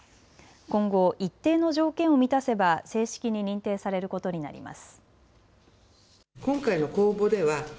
今後、一定の条件を満たせば正式に認定されることになります。